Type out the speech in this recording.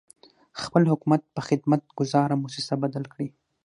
خپل حکومت په خدمت ګذاره مؤسسه بدل کړي.